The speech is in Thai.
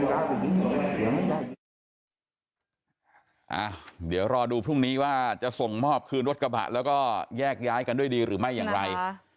เดี๋ยวรอดูพรุ่งนี้ว่าจะส่งมอบคืนรถกระบะแล้วก็แยกย้ายกันด้วยดีหรือไม่อย่างไร